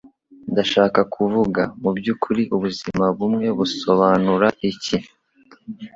Ndashaka kuvuga, mubyukuri ubuzima bumwe busobanura iki?